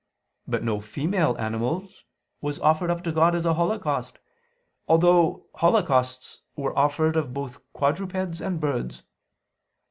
But no female animals was offered up to God as a holocaust, although holocausts were offered of both quadrupeds and birds.